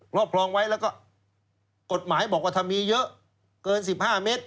รอบครองไว้แล้วก็กฎหมายบอกว่าถ้ามีเยอะเกิน๑๕เมตร